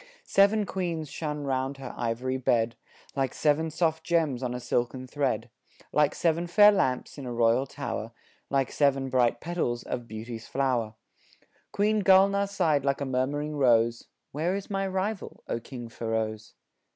Seven queens shone round her ivory bed, Like seven soft gems on a silken thread, Like seven fair lamps in a royal tower, Like seven bright petals of Beauty's flower Queen Gulnaar sighed like a murmuring rose "Where is my rival, O King Feroz?"